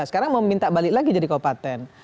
sekarang mau minta balik lagi jadi kaupaten